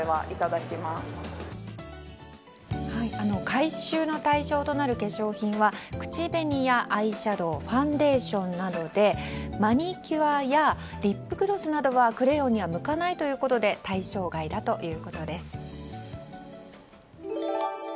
回収の対象となる化粧品は口紅や、アイシャドーファンデーションなどでマニキュアやリップグロスなどはクレヨンには向かないので対象外だということです。